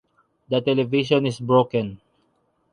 The television is broken.